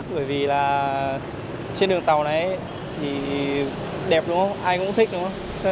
bởi vì là trên đường tàu này thì đẹp đúng không ai cũng thích đúng không